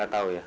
gak tahu ya